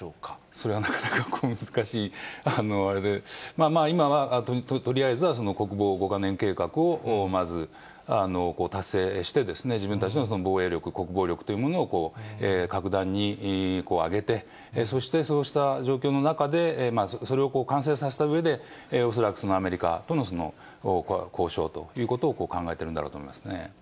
それはなかなか難しいあれで、今はとりあえずは国防５か年計画を、まず、達成して、自分たちの防衛力、国防力というものを格段に上げて、そして、そうした状況の中で、それを完成させたうえで、恐らくアメリカとの交渉ということを考えているんだろうと思いま